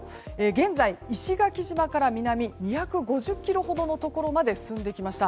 現在、石垣島から南２５０ｋｍほどのところまで進んできました。